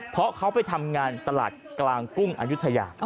เพราะเขาไปทำงานตลาดกลางกุ้งอายุทยา